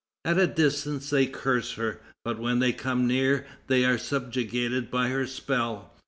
At a distance they curse her; but when they come near they are subjugated by her spell.